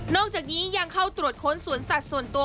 อกจากนี้ยังเข้าตรวจค้นสวนสัตว์ส่วนตัว